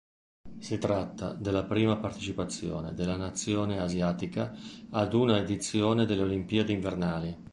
Si tratta della prima partecipazione della nazione asiatica ad una edizione delle Olimpiadi invernali.